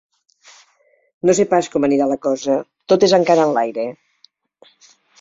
No sé pas com anirà la cosa: tot és encara enlaire.